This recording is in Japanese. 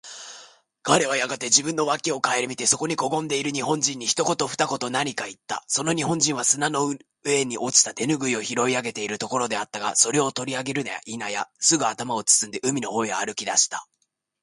彼はやがて自分の傍（わき）を顧みて、そこにこごんでいる日本人に、一言（ひとこと）二言（ふたこと）何（なに）かいった。その日本人は砂の上に落ちた手拭（てぬぐい）を拾い上げているところであったが、それを取り上げるや否や、すぐ頭を包んで、海の方へ歩き出した。